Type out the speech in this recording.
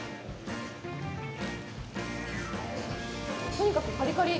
とにかくカリカリ。